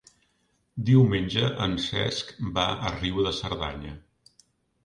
Diumenge en Cesc va a Riu de Cerdanya.